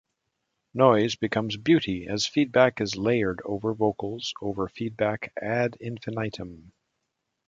Noise becomes beauty as feedback is layered over vocals over feedback ad infinitum.